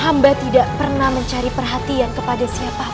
hamba tidak pernah mencari perhatian kepada siapa